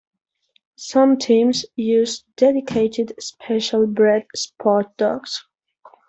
Some teams use dedicated special bred sportdogs.